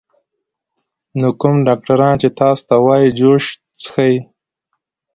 نو کوم ډاکټران چې تاسو ته وائي جوس څښئ